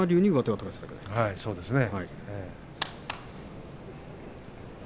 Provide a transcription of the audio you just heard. はい、そうですね。